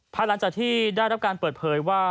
ภายหลังจากที่ได้รับการเปิดเผยว่า